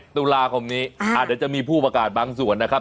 ตุลาคมนี้เดี๋ยวจะมีผู้ประกาศบางส่วนนะครับ